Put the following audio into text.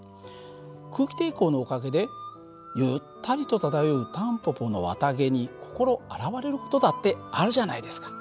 空気抵抗のおかげでゆったりと漂うタンポポの綿毛に心洗われる事だってあるじゃないですか。